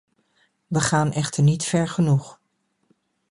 We gaan echter niet ver genoeg.